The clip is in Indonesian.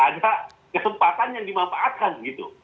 ada kesempatan yang dimanfaatkan gitu